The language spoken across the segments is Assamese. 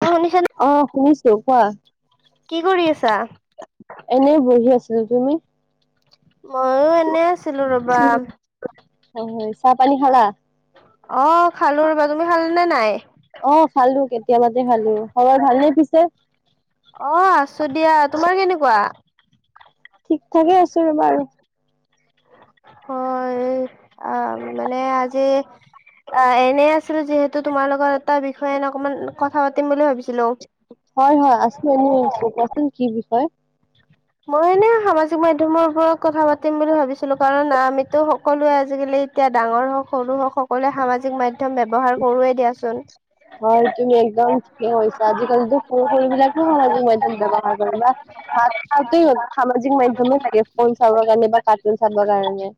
অ [unintelligible] অ', শুনিছো কোৱা। কি কৰি আছা এনেই বহি আছোঁ, তুমি? ময়ো এনে আছোঁ। হয়, হয়, চাহ পানী খালা? অ', খালোঁ ৰবা, তুমি খালানে নাই? অ', খালোঁ কেতিয়াবাতে খালোঁ, খবৰ ভালনে পিছে? অ', আছোঁ দিয়া, তোমাৰ কেনেকুৱা? ঠিক-ঠাকে আছোঁ ৰবা আৰু। হয়, অ', মানে আজি অ, এনেই আছিলোঁ যিহেতু। টো তোমাৰ লগত এটা বিষয়ে অকমান কথা পাতিম বুলি ভাবিছিলোঁ। হয়, হয়, আছোঁ, এনেই আছোঁ, কোৱাচোন কি বিষয়? মই এনেই সামাজিক মাধ্যমৰ ওপৰত কথা পাতিম বুলি ভাবিছিলোঁ, কাৰণ আমিতো সকলোৱে আজিকালি, এতিয়া ডাঙৰ হওক, সৰু হওক, সকলোৱে সামাজিক মাধ্যম ব্যৱহাৰ কৰোঁ এ দিয়াচোন। হয়, তুমি একদম ঠিকে কৈছা, আজিকালিতো সৰু সৰু বিলাকো সামাজিক মাধ্যম ব্যৱহাৰ কৰে ন। ভাত খাওঁতে সামাজিক মাধ্যমো লাগে, ফোন চাবৰ কাৰণে বা কাৰ্টুন চাবৰ কাৰণে।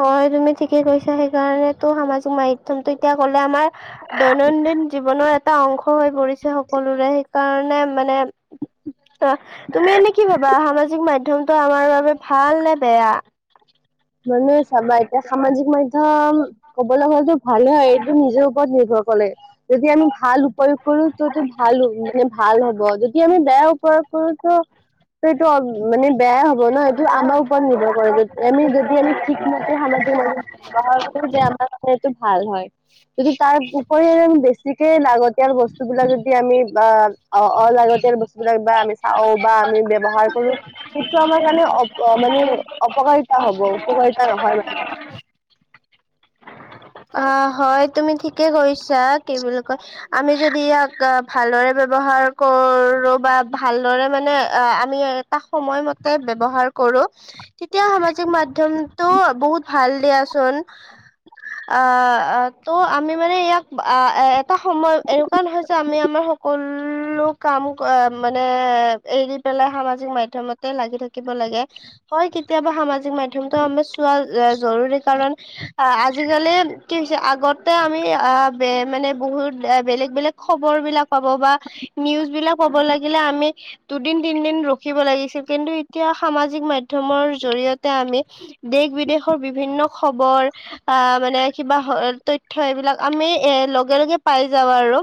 হয়, তুমি ঠিকেই কৈছা, সেইকাৰণেতো সামাজিক মাধ্যমটো, এতিয়া ক'লে আমাৰ- দৈনন্দিন জীৱনৰ এটা অংশ হৈ পৰিছে, সকলোৰে সেইকাৰণে মানে, অ', তুমি এনেই কি ভাবা, সামাজিক মাধ্যমতটো আমাৰ বাবে ভাল নে বেয়া? মানে চাবা, এতিয়া সামাজিক মাধ্যম, কবলৈ গ'লে টো' ভালে হয়, এইটো নিজৰ ওপৰত নিৰ্ভৰ কৰে। যদি আমি ভাল উপয়োগ, কৰোতো ভাল হ'ব, মানে ভাল হ'ব যদি আমি বেয়া উপয়োগ কৰো ত, ত', এইটো মানে বেয়াই হ'ব ন, এইটো আমাৰ ওপৰত নিৰ্ভৰ কৰে। আমি যদি ঠিকমতে সামাজিক মাধ্যম ব্যৱহাৰ কৰিলে, আমাৰটো এইটো ভাল হয়। যদি তাৰ উপৰিও, বেছিকে লাগতিয়াল বস্তুবিলাক, যদি আমি বা অলাগতিয়াল বস্তুবিলাক বা আমি, বা আমি ব্যৱহাৰ কৰোঁ, সেইটো আমাৰ কাৰণে অ মানে অপকাৰিতা হব। উপকাৰিতা নহয় মানে। অ', হয় তুমি ঠিকে কৈছা। কি বুলি কয়, আমি যদি ইয়াক, ভালদৰে ব্যৱহাৰ কৰোঁ। বা ভালদৰে মানে, আমি এটা সময়মতে ব্যৱহাৰ, কৰোঁ, তেতিয়া সামাজিক মাধ্যমটো বহুত ভাল দিয়াচোন। আ, ত' আমি মানে ইয়াক, আহ, এ এটা সময় এনেকুৱা নহয় যে, আমি আমাৰ সকলোক। কাম মানে এৰি পেলাই, সামাজিক মাধ্য়মতে লাগি থাকিব লাগে। হয়, কেতিয়াবা সামাজিক মাধ্যতটো আমি চোৱা জৰুৰী কাৰণ, আ আজিকালি কি হৈছে, আগতে আমি আ মানে বহুত বেলেগ বেলেগ খবৰ বিলাক, পাব বা নিউজবিলাক পাব লাগিলে, আমি দুদিন-তিনিদিন ৰখিব লাগিছিল। কিন্তু, এতিয়া সামাজিক মাধ্যমৰ জৰিয়তে আমি, দেশ-বিদেশৰ বিভিন্ন খবৰ, পা মানে কিবা তথ্য এইবিলাক আমি এ লগে লগে পাই যাওঁ আৰু।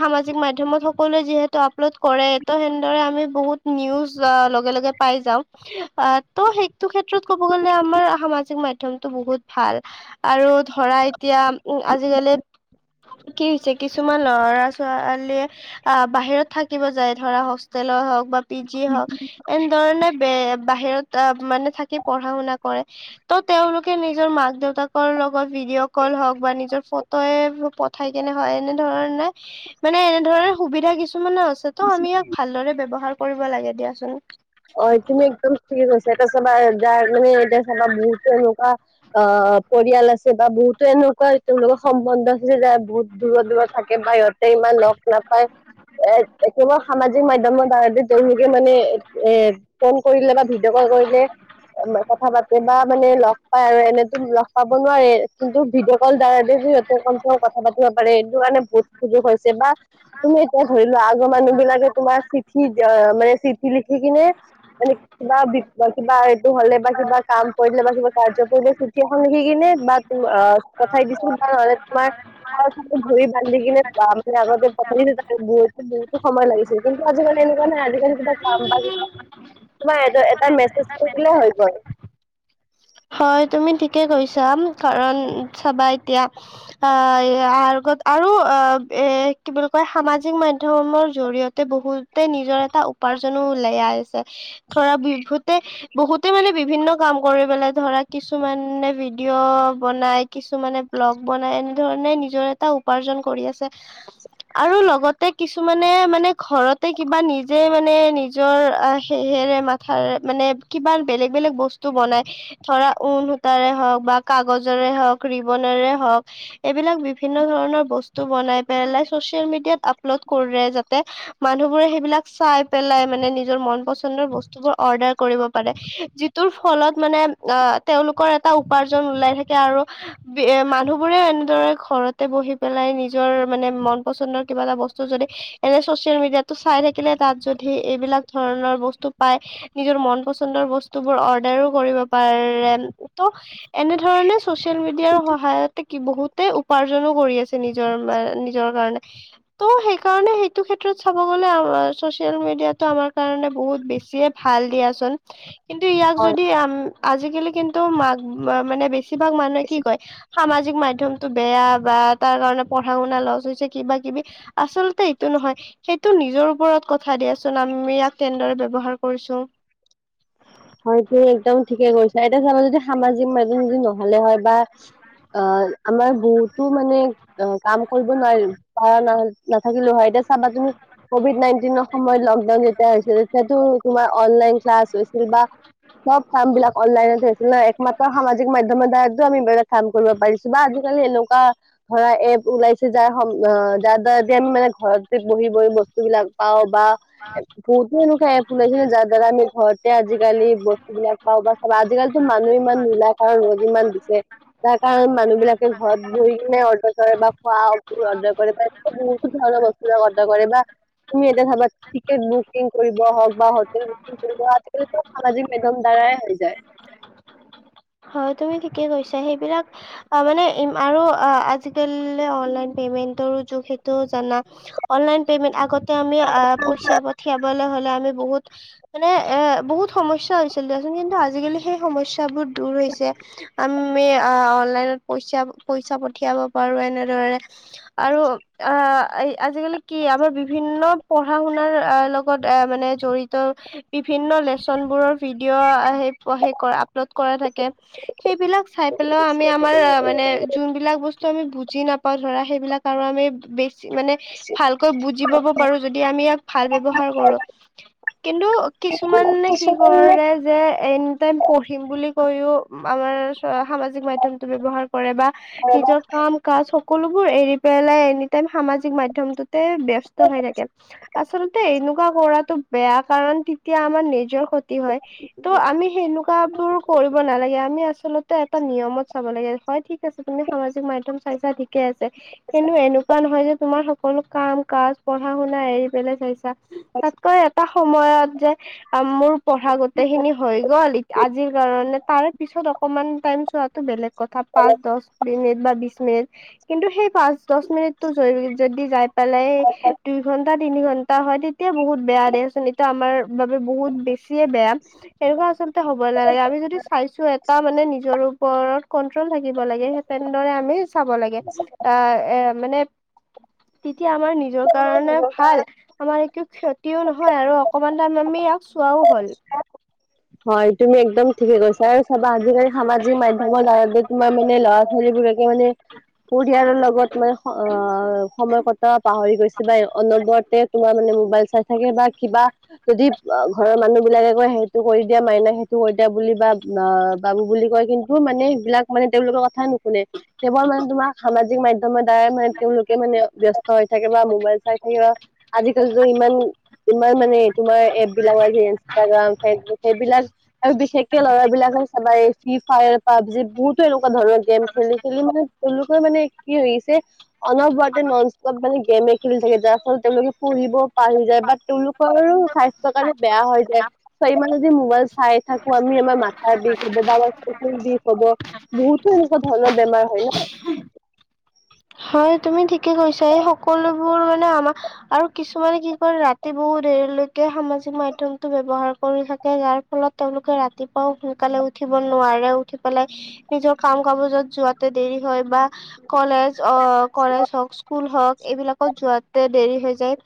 সামাজিক মাধ্যমত সকলোৱে যিহেতু আপলোড কৰে। ত হেনেদৰে আমি বহুত নিউজ লগে লগে, পাই যাওঁ, আহ ত' সেইটো ক্ষেত্ৰত ক'ব গ'লে আমাৰ সামাজিক মাধ্যমতটো বহুত ভাল। আৰু ধৰা এতিয়া উম আজিকালি, কি হৈছে, কিছুমান লৰা ছোৱালীয়ে আহ বাহিৰত থাকিব যায়, ধৰা হোষ্টেলৰ হওক বা পি জি হওক। এনেধৰণে বে বাহিৰত মানে থাকি পঢ়া শুনা কৰে। ত তেওঁলোকে নিজৰ মাক দেউতা, দেউতাকৰ লগত ভিডিঅ' কল হওঁক বা নিজৰ ফটোয়ে পঠাই কেনে হয়, এনে ধৰণে মানে এনেধৰনে সুবিধা কিছুমানে আছে ত' আমি ইয়াক ভালদৰে ব্যবহাৰ কৰিব লাগে দিয়াচোন। অ', তুমি একদম ঠিক কৈছা, এতিয়া চাবা যাৰ মানে, এতিয়া চাবা বহুটো এনেকুৱা অ পৰিয়াল আছে বা বহুতো এনেকুৱা তেওঁলোকৰ সম্বন্ধ আছে, যে য বহুত দূৰত দূৰত থাকে বাহিৰত। ইমান লগ নাপায়। এ কেৱল সামাজিক মাধ্যমৰ দ্বাৰাতে তেওঁলোকে মানে, এ ফোন কৰিলে বা ভিডিঅ' কল কৰিলে, কথা পাতে বা মানে লগ পাই আৰু এনেতো লগ পাব নোৱাৰে, কিন্তু ভিডিঅ' কল দ্বাৰা সিহত ক কথা পাতিব পাৰে সেইটো কাৰণে বহুত সুযোগ হৈছে বা তুমি এতিয়া ধৰি লোৱা আগৰ মানুহবিলাকে তোমাৰ চিঠি আ, মানে চিঠি লিখি কিনে [unintelligible] কিবা কিবা এইটো হ'লে বা কিবা কাম কৰিলে বা কিবা কাৰ্য কৰিলে চিঠি এখন লিখি কিনে বা অ', পঠাই দিছোঁ [unintelligible] তোমাৰ [unintelligible] বহুতো বহুতো সময় লাগি কিন্তু আজিকালি এনেকুৱা নাই আজিকালি [unintelligible] [unintelligible] তোমাৰ এটা এটা মেছেজ কৰি দিলে হৈ গ'ল। হয়, তুমি ঠিকে কৈছ যাম কাৰণ চাবা এতিয়া আ, [unintelligible] আৰু এ কি বুলি কয় সামাজিক মাধ্যমৰ জৰিয়তে বহুতে নিজৰ এটা উপাৰ্জনো ওলাই আছে ধৰা বিহুতে বহুতে মানে বিভিন্ন কাম কৰি পেলাই ধৰা কিছুমানে ভিডিঅ' বনাই কিছুমানে ব্লগ বনাই এনেধৰণে নিজৰ এটা উপাৰ্জন কৰি আছে। আৰু লগতে কিছুমানে মানে ঘৰতে কিবা নিজে মানে নি নিজৰ আ, সেহেৰে মাথাৰে মানে কিবা বেলেগ বেলেগ বস্তু বনাই ধৰা ঊন সূতাৰে হওঁক বা কাগজৰে হওঁক, ৰিবনেৰে হওঁক এইবিলাক বিভিন্ন ধৰণৰ বস্তু বনাই পেলাই চচিয়েল মিডিয়াত আপলোড কৰে যাতে মানুহবোৰে সেইবিলাক চাই পেলাই মানে নিজৰ মন পছন্দৰ বস্তুবোৰ অৰ্ডাৰ কৰিব পাৰে। যিটোৰ ফলত মানে আ, তেওঁলোকৰ এটা উপাৰ্জন ওলাই থাকে আৰু ব্যে-মানুহবোৰে এনেদৰে ঘৰতে বহি পেলাই নিজৰ মানে মন পচন্দৰ কিবা এটা বস্তু যদি এনে চচিয়েল মিডিয়াটো চাই থাকিলে তাত যদি এইবিলাক ধৰণৰ বস্তু পায়। নিজৰ মন পচন্দৰ বস্তুবোৰ অৰ্ডাৰো কৰিব পাৰে ত' এনেধৰণে ছচিয়েল মিডিয়াৰ সহায়তে বহুতে উপাৰ্জনো কৰি আছে নিজ নিজৰ মান নিজৰ কাৰণে। ত' সেইকাৰণে সেইটো ক্ষেত্ৰত চাব গ'লে আম চচিয়েল মেডিয়াটো আমাৰ কাৰণে বহুত বেছিয়ে ভাল দিয়াচোন কিন্তু ইয়াক হয় যদি আম আজিকালি কিন্তু মাক মানে বেছিভাগ মানুহে কি কয়? সামাজিক মাধ্যমটো বেয়া, বা তাৰ কাৰণে পঢ়া শুনা লচ হৈছে কিবা কিবি। আচলতে এইটো নহয়। সেইটো নিজৰ ওপৰত কথা দিয়াচোন আমি ইয়াক কেনেদৰে ব্যবহাৰ কৰিছোঁ। হয়তো একদম ঠিকে কৈছা এতিয়া চাবা যদি সামাজিক মাধ্যম যদি নহ'লে হয়, বা অ', আমাৰ বহুতো মানে অ', কাম কৰিব নোৱাৰিম [unintelligible] নাথাকিলোঁ হয়, এতিয়া চাবা তুমি কভিড নাইটিনৰ সময়ত লকডাউন যেতিয়া হৈছিল তেতিয়াতো তোমাৰ অনলাইন ক্লাছ হৈছিল বা চব কামবিলাক অনলাইনত হৈছিল ন' একমাত্ৰ সামাজিক মাধ্যমৰ দ্বাৰাতো আমি বেলেগ কাম কৰিব পাৰি বা আজিকালি এনেকুৱা ধৰা এপ ওলাইছে যাৰ সম অ', যাৰ দ্বাৰাদি আমি মানে ঘৰতে বহি বহি বস্তুবিলাক পাওঁ বা বহুতো এনেকুৱা এপ ওলাইছে যাৰ দ্বাৰা আমি ঘৰত তে আজিকালি বস্তুবিলাক পাওঁ বা চাবা আজিকালিতো মানুহে ইমান মিলা কাৰ [inaudible] ইমান দিছে তাৰকাৰণ মানুহবিলাকে ঘৰত বহি কিনে অৰ্ডাৰ কৰে বা খোৱা অৰ্ডাৰ কৰে বা বহুতো ধৰনৰ বস্তুৰ বিলাক অৰ্ডাৰ কৰে বা তুমি এতিয়া চাবা টিকেট বুকিং কৰিব হওঁক বা হোটেল বুকিং কৰিব [unintelligible] সামাজিক মাধ্যম দ্বাৰাই হৈ যায়। হয়, তুমি ঠিকে কৈছা সেইবিলাক অ', মানে ই আৰু অ', আজি তেলেই অনলাইন পেমেন্টৰো যোগ সেইটোও জানা অনলাইন পেমেন্ট আগতে আমি আ' পইচা পঠিয়াবলৈ হলে আমি বহুত মানে এ' বহুত সমস্যা হৈছিল দিয়াচোন কিন্তু আজিকালি সেই সমস্যাবোৰ দূৰ হৈছে আমি আ' অনলাইনত পইচা, পইচা পঠিয়াব পাৰো এনেধৰণে আৰু আ' আজিকালি কি আমাৰ বিভিন্ন পঢ়া শুনাৰ লগত বুকত অ' মানে জড়িত বিভিন্ন লেচন বোৰৰ ভিডিঅ' আহে সেইবুকৰ সেই কৰা আপলোড কৰা থাকে সেইবিলাক চাই পেলাইও আমি আমাৰ মানে যোনবিলাক বস্তু আমি বুজি নাপাওঁ ধৰা সেইবিলাক আৰু আমি বেছি মানে ভালকৈ বুজি পাব পাৰো যদি আমি ইয়াক ভাল ব্যৱহাৰ কৰো কিন্তু কিছুমানে কি কৰে যে এনি টাইম পঢ়িম বুলি কৈও আমাৰ চোৱা সামাজিক মাধ্যয়মটো ব্যৱহাৰ কৰে বা নিজৰ কাম কাজ সকলোবোৰ এৰি পেলাই এনি টাইম সামাজিক মাধ্যয়মটোত তে' ব্যস্ত হৈ থাকে আচলতে এনেকুৱা কৰাটো বেয়া কাৰণ তেতিয়া আমাৰ নিজৰ ক্ষতি হয় ত' আমি সেনেকুৱাবোৰ কৰিব নালাগে আমি তুমি আচলতে এটা নিয়মত চাব লাগে হয় ঠিক আছে তুমি সামাজিক মাধ্যয়ম চাইচা ঠিকে আছে কিন্তু এনেকুৱা নহয় যে তোমাৰ সকলো কাম, কাজ, পঢ়া, শুনা এৰি পেলাই চাইছা তাতকৈ এটা সময়ত যে মোৰ পঢ়া গোটেই খিনি হৈ গ'ল এটি আজি কাৰনে তাৰে পিছত অকমান টাইম চোৱাটো বেলেগ কথা পাঁচ, দহ মিনিট বা বিছ মিনিট কিন্ত সেই পাচঁ দশ মিনিটো যদি যাই পেলাই দুই ঘণ্টা তিনি ঘন্টা হয় তেতিয়া বহুত বেয়া দে চুন তা আমাৰ বাবে বহুত বেছিয়ে বেয়া এনেকুৱা আচলতে হ'ব নালাগে আমি যদি চাইছো এটা মানে নিজৰ ওপৰত কন্ট্ৰল থাকিব লাগে তেনে দৰে আমি চাব লাগে আহ' এ' মানে তেতিয়া আমাৰ নি নিজৰ আমাৰ কাৰণে নিজৰ ভাল কাৰণে আমাৰ একো ক্ষতিও নহয় আৰু অকমান তাইম আমি ইয়াক চোৱাও হ'ল হয় তুমি একদম ঠিকে কৈছা আৰু চাবা আজিকালি সামাজিক মাধ্য়মৰ দ্বাৰ যে তোমাৰ মানে ল'ৰা ছোৱালীবোৰে ই' মানে পৰিয়ালৰ লগত মানে স' অ' সময় কটাব পাহৰি গৈছে বা অনবৰতে তোমাৰ মানে মোবাইল চাই থাকে বা কিবা যদি ঘৰৰ মানুহ বিলাকে কৈ হে টো' কৰি দিয়া মাইনা সেইটো কৰি দিয়া বুলি বা অ' বাবু বুলি কয় কিন্তু মানে সেইবিলাক মানে তেওঁলোকৰ কথাই নুশুনে কেৱল মানে তোমাক সামাজিক মাধ্যয়মৰ দ্বাৰা মানে তেওঁলোকে মানে ব্যস্ত হৈ থাকে বা মোবাইল চাই থাকিব আজিকালি যে ইমান, ইমান মানে তোমাৰ এপ বিলাক চে' ইনষ্টাগ্ৰাম সেই, সেইবিলাক আৰু বিশেষকে ল'ৰা বিলাকক চাবা এই ফ্ৰী ফায়াৰ পাবজি বহুতো এনেকুৱা ধৰণৰ গেম খেলি খেলি মানে তেওঁলোকে মানে কি হৈ গৈছে অনবৰতে নষ্টটপ মানে গেমে খেলি থাকে যাৰ ফলত তেওঁলোকে পঢ়িব পাহৰি যায় বা তেওঁলোক কৰোঁ স্বাস্থ্যৰ কাৰণে বেয়া হৈ যায় চা' ইমান যদি মোবাইল চাই থাকোঁ আমি আমাৰ মাথাৰ বিষ হ'ব বা চকু বিষ হ'ব বহুতো এনেকুৱা ধৰণৰ বেমাৰ হয় ন? হয় তুমি ঠিকে কৈছা এই সকলোবোৰ মানে আমাৰ আৰু কিছুমানে কি কৰে ৰাতি বহু দেৰিলৈকে সামাজিক মাধ্যমতটো ব্যৱহাৰ কৰি থাকে যাৰ ফলত তেওঁলোকে ৰাতিপুৱাও সোনকালে উঠিব নোৱাৰে, উঠি পেলাই নিজৰ কাম কাবজত যোৱাতে দেৰি হয় বা কলেজ অ' কলেজ হওক, স্কুল হওক এইবিলাকত যোৱাতে দেৰি হৈ যায়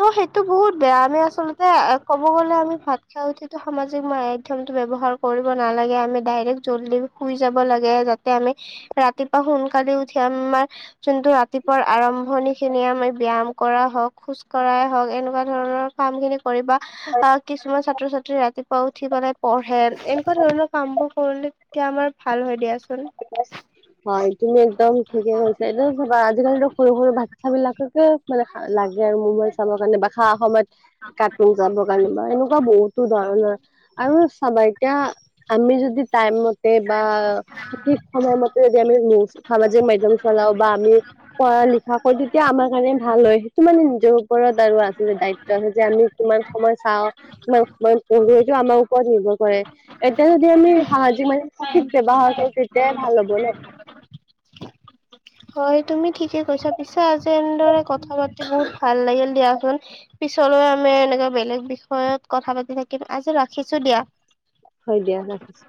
ত' সেইটো বহুত বেয়া আমি আচলতে ক'ব গ'লে আমি ভাত খাই উঠি সামাজিক মাধ্যমতটো ব্যৱহাৰ কৰিব নালাগে, আমি ডাইৰেক্ট জলদি শুই যাব লাগে। যাতে আমি- ৰাতিপুৱা সোনকালে উঠি আম মাৰ- যোনটো ৰাতিপুৱাৰ আৰম্ভণি খিনিয়ে আমি ব্যায়াম কৰা হওঁক, খোজ কঢ়াই হওক, এনেকুৱা ধৰণৰ- কাম খিনি কৰিবা। আহ কিছুমান ছাত্ৰ ছাত্ৰী ৰাতিপুৱা উঠিপেলাই- পঢ়ে, এনেকুৱা ধৰণৰ কাম বোৰ কৰিলে তেতিয়া আমাৰ ভাল হয় দিয়াচোন। [inaudible] হয়, তুমি একদম ঠিকে কৈছে। এনেও চাবা আজিকালিটো সৰু সৰু বাৎচ্ছা বিলাককে- মানে খা লাগে আৰু মোবাইল চাবৰ কাৰণে বাখা সময়ত- কাটুন যাব কাৰণে বা এনেকুৱা বহুতো ধৰণৰ আৰু চাবাই- এতিয়া আমি যদি টাইম মতে বা সঠিক সময়- যদি আমি নিউজ সামাজিক মাধ্যমৰ‌ চলাও বা আমি- পঢ়া লিখা কৰো তেতিয়া আমাৰ কাৰণে ভাল হয়। কিছুমানে নিজৰ ওপৰত আৰু আছিলে দায়িত- যে আমি কিমান সময় চাওঁ, কিমান সময় পঢ়ো, এইটো আমাৰ ওপৰত নিৰ্ভৰ কৰে। এতিয়া যদি আমি সামাজিক মানে সঠিক ব্যৱহাৰ কৰো তেতিয়াই ভাল হ'ব ন। হয়, তুমি ঠিকে কৈছা। পিছে আজি এনেদৰে কথা পাতি বহুত ভাল লাগিল দিয়াচোন। পিছলৈ আমি এনেকুৱা বেলেগ বিষয়ত কথা পাতি থাকিম, আজি ৰাখিছো দিয়া। হয় দিয়া ৰাখিছো।